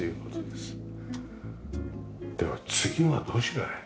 では次はどちらへ？